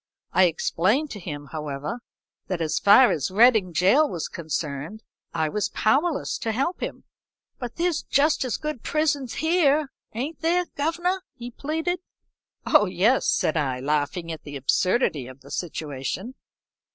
I explained to him, however, that as far as Reading gaol was concerned, I was powerless to help him. "'But there's just as good prisons here, ain't there, governor?' he pleaded. "'Oh yes,' said I, laughing at the absurdity of the situation.